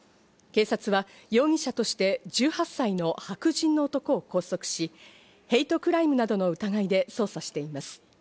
警察は容疑者として１８歳の白人の男を拘束し、ヘイトクライムなどの疑いで捜査しています。